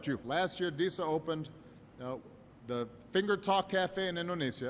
tahun lalu disa menunjukkan cafe finger talk di indonesia